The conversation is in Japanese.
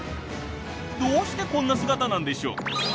どうしてこんな姿なんでしょう？